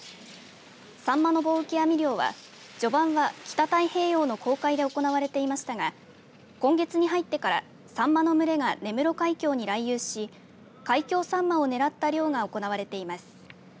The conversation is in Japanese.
さんまの棒受け網漁は序盤は、北太平洋の公海で行われていましたが今月に入ってからさんまの群れが根室海峡に来遊し海峡さんまを狙った漁が行われています。